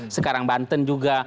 sekarang banten juga